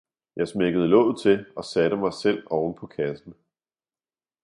jeg smækkede låget til og satte mig selv ovenpå kassen.